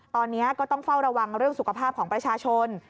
ตอนนี้ก็ต้องเฝ้าระวังเรื่องสุขภาพของประชาชน